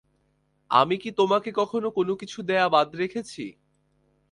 আমি কি তোমাকে কখনো কোনোকিছু দেয়া বাদ রেখেছি?